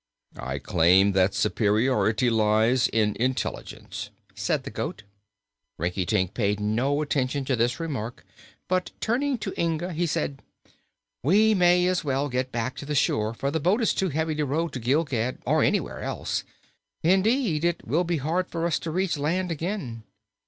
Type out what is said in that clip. "I claim that superiority lies in intelligence," said the goat. Rinkitink paid no attention to this remark, but turning to Inga he said: "We may as well get back to the shore, for the boat is too heavy to row to Gilgad or anywhere else. Indeed, it will be hard for us to reach land again."